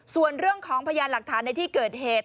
ส่วนเรื่องของพยานหลักฐานในที่เกิดเหตุ